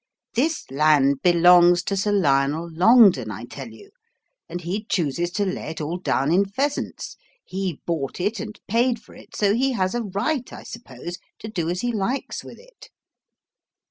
"This land belongs to Sir Lionel Longden, I tell you, and he chooses to lay it all down in pheasants. He bought it and paid for it, so he has a right, I suppose, to do as he likes with it."